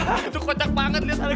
aduh itu kocak banget liat tadi